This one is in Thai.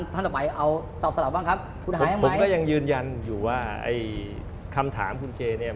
ผมก็ยังยืนยันอยู่ว่าคำถามคุณเจมส์